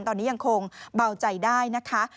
ตอนนี้ยังคงเบาใจได้นะคะ